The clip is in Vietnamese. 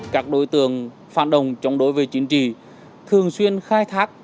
các đối tượng phản động chống đối về chính trị thường xuyên khai thác